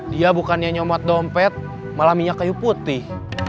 dia bukannya nyomot dompet malah minyak kayu putih